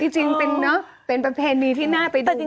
จริงเป็นประเพณีที่น่าไปดู